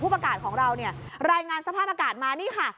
ประกาศของเราเนี่ยรายงานสภาพอากาศมานี่ค่ะ